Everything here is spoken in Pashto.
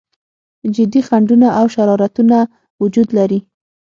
جدي خنډونه او شرارتونه وجود لري.